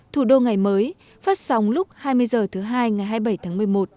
thủ đô ngày mới phát sóng lúc hai mươi h thứ hai ngày hai mươi bảy tháng một mươi một